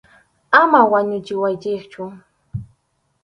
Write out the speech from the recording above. Ama wañuchiwaychikchu.